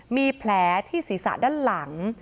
มีแผลที่ศีรษะด้านหลัง